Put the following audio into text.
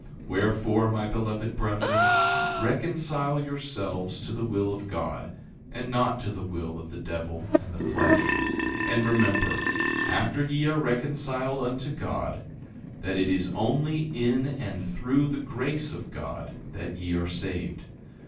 10:24 Wherefore, my beloved brethren, reconcile yourselves to the will of God, and not to the will of the devil and the flesh; and remember, after ye are reconciled unto God, that it is only in and through the grace of God that ye are saved.